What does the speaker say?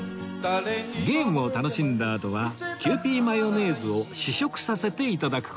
ゲームを楽しんだあとはキユーピーマヨネーズを試食させて頂く事に